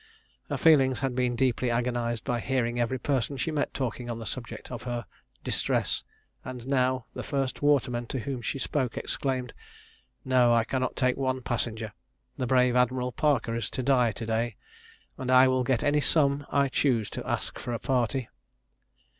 Her feelings had been deeply agonised by hearing every person she met talking on the subject of her distress, and now, the first waterman to whom she spoke exclaimed, "No! I cannot take one passenger. The brave Admiral Parker is to die to day, and I will get any sum I choose to ask for a party."